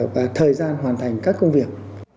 và thời gian hoàn thành các công việc